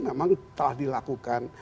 memang telah dilakukan